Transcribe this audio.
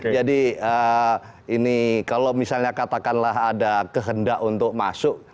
jadi ini kalau misalnya katakanlah ada kehendak untuk masuk